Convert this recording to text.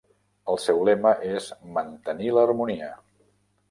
El seu lema és "Mantenir l'harmonia".